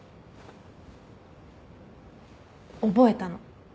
覚えたの。